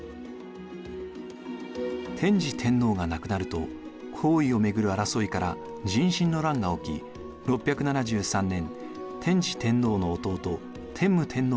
天智天皇が亡くなると皇位を巡る争いから壬申の乱が起き６７３年天智天皇の弟天武天皇が即位。